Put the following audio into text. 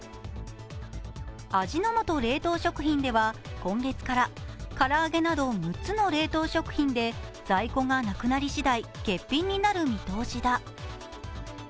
味の素冷凍食品では今月から唐揚げなど６つの冷凍食品で在庫がなくなりしだい、欠品になる見通しだ。